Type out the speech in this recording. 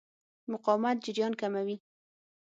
مقاومت جریان کموي.